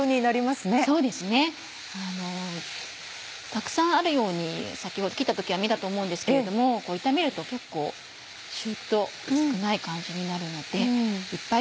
たくさんあるように先ほど切った時は見えたと思うんですけれども炒めると結構シュっと少ない感じになるのでいっぱい